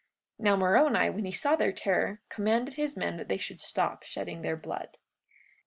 43:54 Now Moroni, when he saw their terror, commanded his men that they should stop shedding their blood.